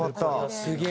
すげえ！